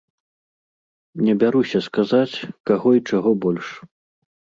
Не бяруся сказаць, каго й чаго больш.